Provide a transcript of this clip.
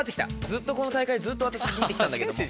ずっとこの大会ずっと私見て来たんだけども。